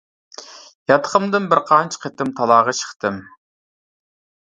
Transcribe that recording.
ياتىقىمدىن بىر قانچە قېتىم تالاغا چىقتىم.